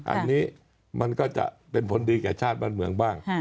อันนี้มันก็จะเป็นผลดีแก่ชาติบ้านเมืองบ้าง